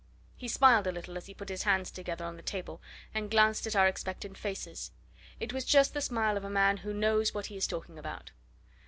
He smiled a little as he put his hands together on the table and glanced at our expectant faces it was just the smile of a man who knows what he is talking about.